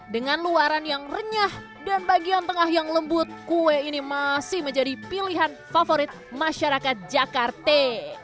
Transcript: dengan luaran yang renyah dan bagian tengah yang lembut kue ini masih menjadi pilihan favorit masyarakat jakarta